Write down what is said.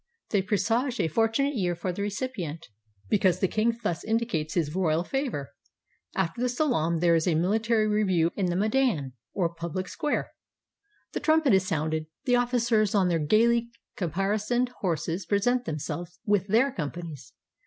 They presage a fortunate year for the recipient, because the king thus indicates his royal favor. After the salaam there is a mihtary review in the medan or pubhc square. The trumpet is sounded; the ofl&cers on their gayly caparisoned horses present themselves with their companies.